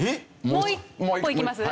もう一歩いきます？